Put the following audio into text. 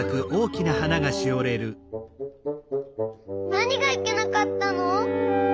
なにがいけなかったの！？